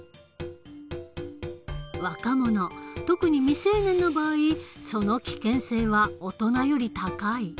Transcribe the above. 若者特に未成年の場合その危険性は大人より高い。